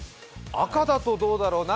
赤だとどうだろう。